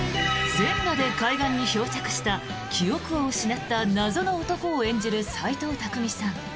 全裸で海岸に漂着した記憶を失った謎の男を演じる斎藤工さん。